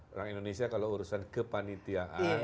orang indonesia kalau urusan kepanitiaan